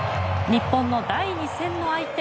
日本の第２戦の相手